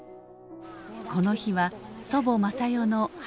この日は祖母雅代の初盆法要。